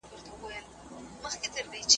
د قبيلي سيالۍ د فساد لامل هم دی.